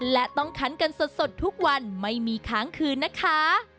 และต้องคันกันสดทุกวันไม่มีค้างคืนนะคะ